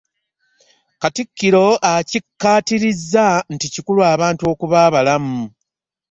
Katikkiro akikkaatirizza nti kikulu abantu okuba abalamu